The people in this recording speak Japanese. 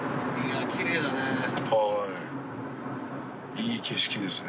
いい景色ですね。